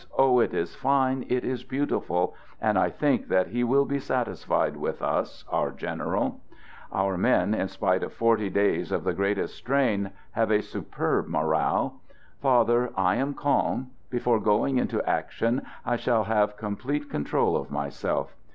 Oh! it is fine, it is beautiful! And I think that he will be satis fied with us, our general. Our men, in spite of forty days of the greatest 171 Digitized by "THE GOOD SOLDIER" strain, have a superb morale. Father, I am calm. Before going into action, I shall have complete con trol of myself.